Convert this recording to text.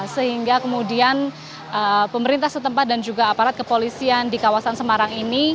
sehingga kemudian pemerintah setempat dan juga aparat kepolisian di kawasan semarang ini